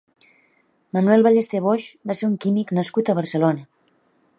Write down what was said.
Manuel Ballester Boix va ser un químic nascut a Barcelona.